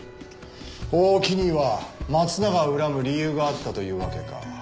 大木には松永を恨む理由があったというわけか。